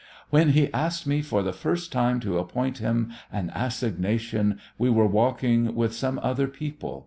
"When he asked me for the first time to appoint him an assignation we were walking with some other people.